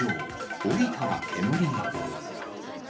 降りたら煙が。